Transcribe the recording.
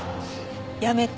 やめて。